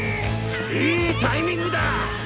いいタイミングだ。